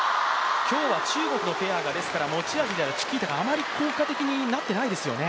今日は中国のペアが持ち味であるチキータがあまり効果的になってないですよね。